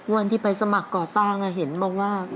วันที่ไปสมัครก่อสร้างเห็นบอกว่า